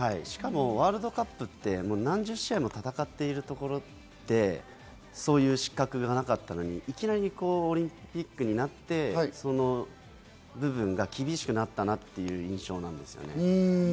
しかもワールドカップって何十試合も戦っているところで、そういう失格がなかったのに、いきなりオリンピックになってその部分が厳しくなったなっていう印象です。